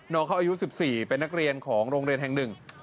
น้องเขาอายุ๑๔เป็นนักเรียนของโรงเรียนแห่งหนึ่ง